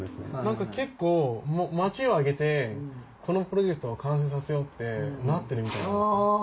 何か結構町を挙げてこのプロジェクトを完成させようってなってるみたいです。